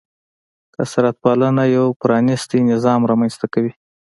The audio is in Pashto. کثرت پالنه یو پرانیستی نظام رامنځته کوي.